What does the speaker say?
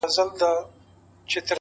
زه لاس په سلام سترگي راواړوه،